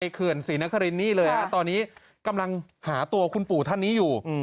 เขื่อนศรีนครินนี่เลยฮะตอนนี้กำลังหาตัวคุณปู่ท่านนี้อยู่